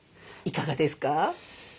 いかがですか？